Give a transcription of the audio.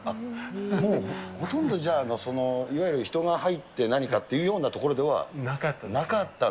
もうほとんどじゃあ、いわゆる人が入って何かっていうような所ではなかった？